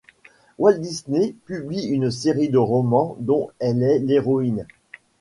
Walt Disney publie une série de romans dont elle est l’héroïne.